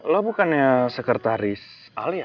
lo bukannya sekretaris ali ya